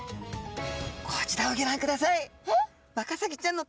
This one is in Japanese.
こちらをギョ覧ください。